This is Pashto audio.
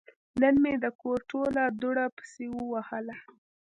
نن مې د کور ټوله دوړه پسې ووهله.